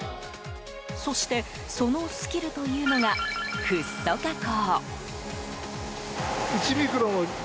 そして、そのスキルというのがフッ素加工。